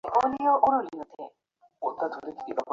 তার রঙটা কালো, বিধাতার সেই অবিচার এতকাল পরে তাকে তীব্র করে বাজছে।